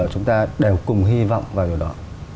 chúng ta đều cùng hy vọng vào điều đó